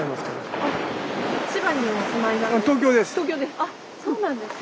あっそうなんですね。